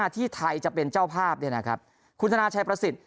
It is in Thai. ที่ไทยจะเป็นเจ้าภาพเนี่ยนะครับคุณธนาชัยประสิทธิ์